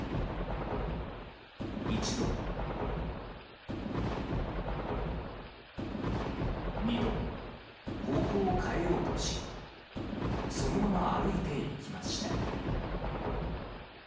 一度、二度方向を変えようとしそのまま歩いていきました。